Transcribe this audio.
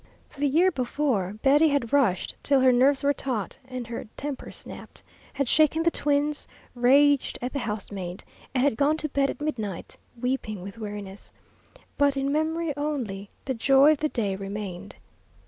The year before, Betty had rushed till her nerves were taut and her temper snapped, had shaken the twins, raged at the housemaid, and had gone to bed at midnight weeping with weariness. But in memory only the joy of the day remained.